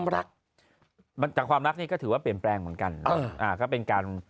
ระเลือกที่ประเภทของเรา